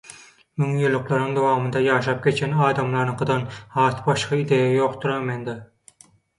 Müňýyllyklaryň dowamynda ýaşap geçen adamlaryňkydan has başga idea ýokdur-a mende?